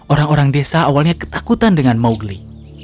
orang orang desa awalnya ketakutan dengan mowgli